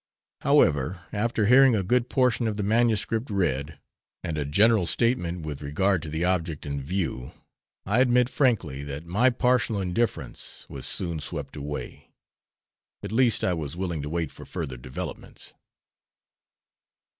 However, after hearing a good portion of the manuscript read, and a general statement with regard to the object in view, I admit frankly that my partial indifference was soon swept away; at least I was willing to wait for further developments.